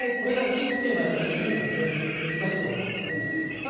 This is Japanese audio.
これがいいというのを言い切るのは難しいと思います。